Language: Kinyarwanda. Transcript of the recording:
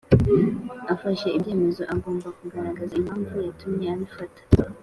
afashe ibyemezo agomba kugaragaza impamvu yatumye abifata